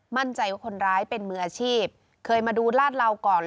มั่นใจว่าคนร้ายเป็นมืออาชีพเคยมาดูลาดเหลาก่อน